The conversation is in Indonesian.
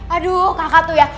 aduh kakak tuh ya